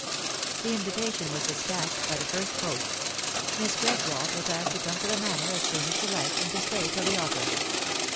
The invitation was despatched by the first post ; Miss Gres wold was asked to come to the Manor as soon as she liked, and to stay till the autumn.